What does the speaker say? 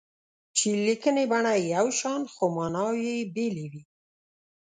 چې لیکني بڼه یې یو شان خو ماناوې یې بېلې وي.